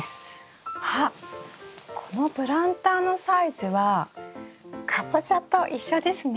あっこのプランターのサイズはカボチャと一緒ですね。